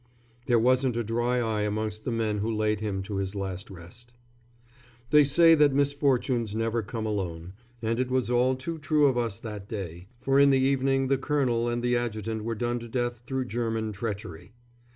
There wasn't a dry eye amongst the men who laid him to his last rest. They say that misfortunes never come alone, and it was all too true of us that day, for in the evening the colonel and the adjutant were done to death through German treachery.